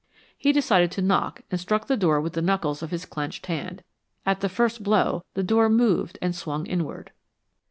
He decided to knock and struck the door with the knuckles of his clenched hand. At the first blow, the door moved and swung inward.